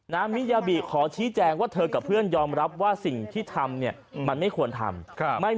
มิยาบิขอชี้แจงว่าเธอกับเพื่อนยอมรับว่าสิ่งที่ทำเนี่ยมันไม่ควรทำ